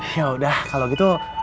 yaudah kalau gitu